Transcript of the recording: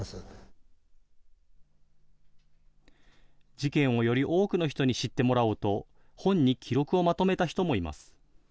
事件をより多くの人に知ってもらおうと、本に記録をまとめた人もいます。